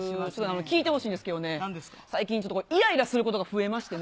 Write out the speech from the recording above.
聞いてほしいんですけどね、最近、いらいらすることが増えましてね。